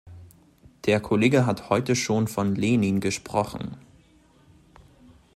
Der Kollege hat heute schon von Lenin gesprochen.